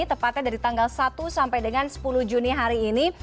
tepatnya dari tanggal satu sampai dengan sepuluh juni hari ini